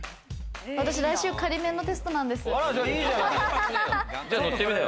私来週、仮免のテストなんです。